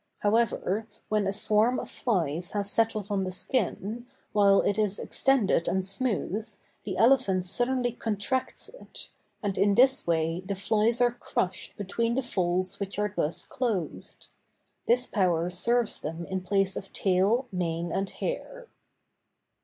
However, when a swarm of flies has settled on the skin, while it is extended and smooth, the elephant suddenly contracts it; and, in this way, the flies are crushed between the folds which are thus closed. This power serves them in place of tail, mane, and hair.